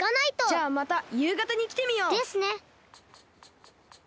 じゃあまたゆうがたにきてみよう。ですね。